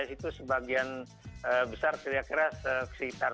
itu sebagian besar kira kira sekitar